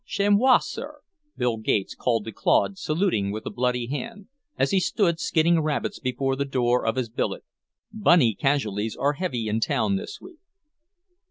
"Chez moi, sir!" Bill Gates called to Claude, saluting with a bloody hand, as he stood skinning rabbits before the door of his billet. "Bunny casualties are heavy in town this week!"